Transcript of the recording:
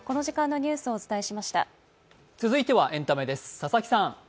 続いてはエンタメです。